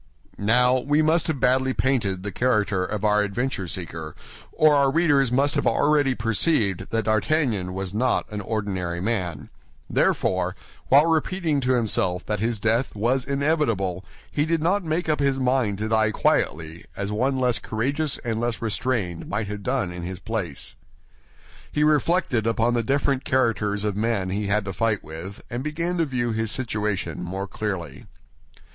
Now, we must have badly painted the character of our adventure seeker, or our readers must have already perceived that D'Artagnan was not an ordinary man; therefore, while repeating to himself that his death was inevitable, he did not make up his mind to die quietly, as one less courageous and less restrained might have done in his place. He reflected upon the different characters of those with whom he was going to fight, and began to view his situation more clearly.